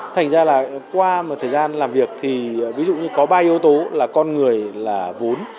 thành ra là qua một thời gian làm việc thì ví dụ như có ba yếu tố là con người là vốn